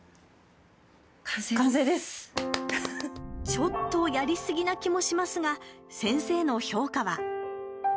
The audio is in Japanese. ちょっとやりすぎな気もしますが先生の評価は。